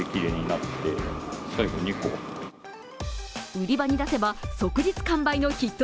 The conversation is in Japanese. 売り場に出せば即日完売のヒット